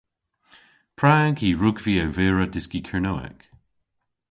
Prag y hwrug vy ervira dyski Kernewek?